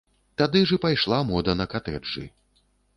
Тады ж і пайшла мода на катэджы.